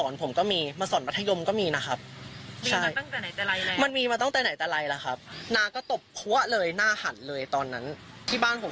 แล้วมีคุณอยู่ที่อะไรบ้างว่าเกิดอะไรฟาก